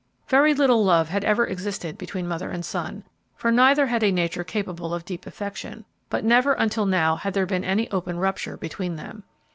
Very little love had ever existed between mother and son, for neither had a nature capable of deep affection, but never until now had there been any open rupture between them.